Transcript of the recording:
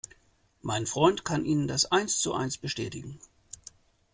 Mein Freund kann Ihnen das eins zu eins bestätigen.